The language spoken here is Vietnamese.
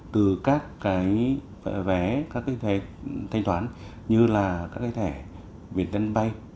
từ các cái vé các cái thẻ thanh toán như là các cái thẻ viện tân bay